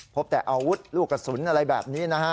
พบแต่อาวุธลูกกระสุนอะไรแบบนี้นะฮะ